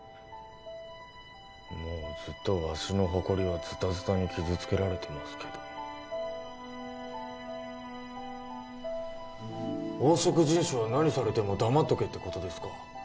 もうずっとわしの誇りはズタズタに傷つけられてますけど黄色人種は何されても黙っとけってことですか？